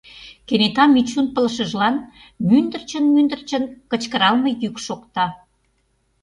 Кенета Мичун пылышыжлан мӱндырчын-мӱндырчын кычкыралме йӱк шокта: